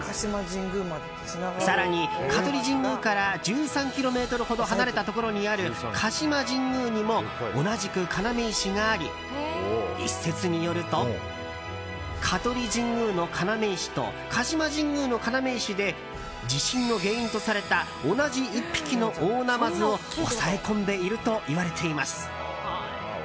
更に、香取神宮から１３ｋｍほど離れたところにある鹿島神宮にも同じく要石があり、一説によると香取神宮の要石と鹿島神宮の要石で地震の原因とされた同じ１匹の大ナマズを押さえ込んでいるといわれています。